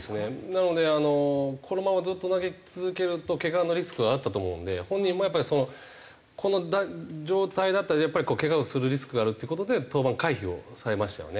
なのであのこのままずっと投げ続けるとケガのリスクはあったと思うので本人もやっぱりこの状態だったらやっぱりケガをするリスクがあるっていう事で登板の回避をされましたよね。